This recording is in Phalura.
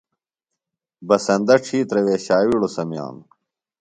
بسندہ ڇِھترہ وے ݜاوِیڑوۡ سمِیانوۡ۔